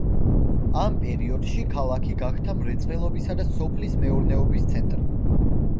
ამ პერიოდში ქალაქი გახდა მრეწველობისა და სოფლის მეურნეობის ცენტრი.